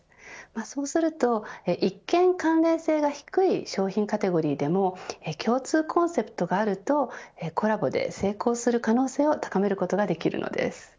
そうすると、一見関連性が低い商品カテゴリーでも共通コンセプトがあるとコラボで成功する可能性を高めることができるのです。